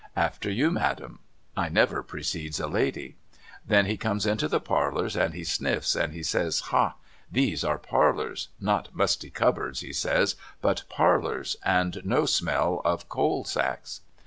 After you Madam. I never precede a lady.' Then he comes into the parlours and he sniffs, and he says ' Hah ! These are parlours ! Not musty cupboards ' he says ' but parlours, and no smell of coal sacks.'